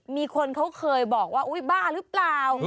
มีคนเขาเคยบอกว่าอุ๊ยบ้าหรือเปล่า